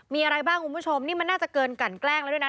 มีอะไรบ้างคุณผู้ชมนี่มันน่าจะเกินกันแกล้งแล้วด้วยนะ